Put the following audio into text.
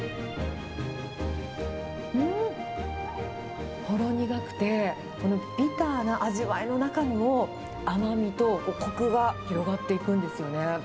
うん、ほろ苦くてビターな味わいの中にも、甘みとこくが広がっていくんですよね。